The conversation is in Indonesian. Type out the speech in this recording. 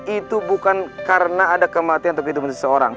itu bukan karena ada kematian untuk kehidupan seseorang